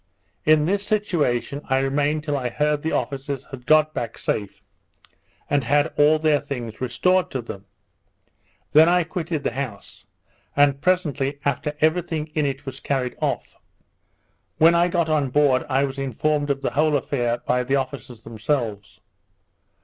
In this situation I remained till I heard the officers had got back safe, and had all their things restored to them: Then I quitted the house; and presently after every thing in it was carried off. When I got on board I was informed of the whole affair by the officers themselves.